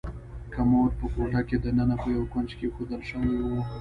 کمود په کوټه کې دننه په یو کونج کې ایښودل شوی و.